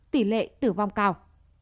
tỷ lệ tử vong cao